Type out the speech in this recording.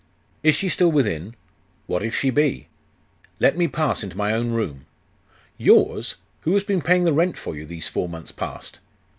'Is she still within?' 'What if she be?' 'Let me pass into my own room.' 'Yours? Who has been paying the rent for you, these four months past?